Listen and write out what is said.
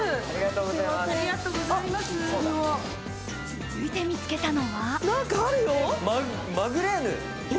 続いて見つけたのは。